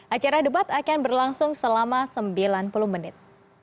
acara debat akan berlangsung selama sembilan puluh menit